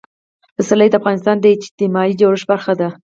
پسرلی د افغانستان د اجتماعي جوړښت برخه ده.